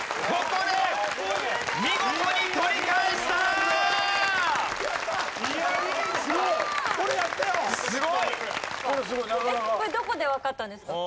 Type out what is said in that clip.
これどこでわかったんですか？